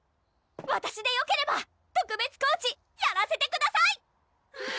わたしでよければ特別コーチやらせてください！